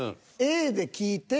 Ａで聞いて。